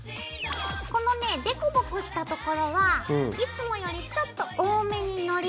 このねぇ凸凹したところはいつもよりちょっと多めにのりを塗ろう。